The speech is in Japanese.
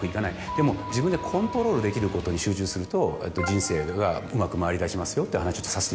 でも自分でコントロールできることに集中すると人生がうまく回りだしますよっていう話をさせていただいた。